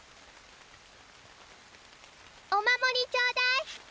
お守りちょうだい。